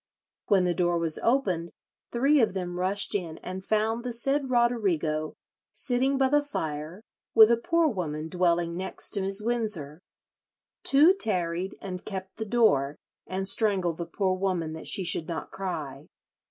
When the door was opened three of them rushed in and found the said Roderigo sitting by the fire with a poor woman dwelling next to Mrs. Wynsor. Two tarried and kept the door, and strangled the poor woman that she should not cry.